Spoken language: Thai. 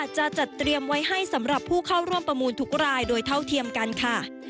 จะจัดเตรียมไว้ให้สำหรับผู้เข้าร่วมประมูลทุกรายโดยเท่าเทียมกันค่ะ